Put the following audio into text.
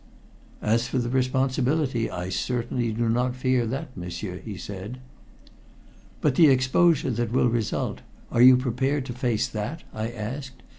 "As for the responsibility, I certainly do not fear that, m'sieur," he said. "But the exposure that will result are you prepared to face that?" I asked.